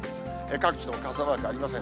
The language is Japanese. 各地とも傘マークありません。